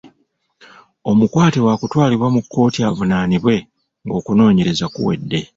Omukwate waakutwalibwa mu kkooti avunaanibwe ng'okunoonyereza kuwedde.